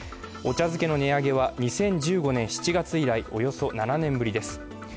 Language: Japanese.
お茶づけの値上げは２０１５年７月以来およそ７年ぶりです。